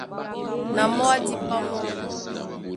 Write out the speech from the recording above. Na mɔ́ á dípá mɔ́.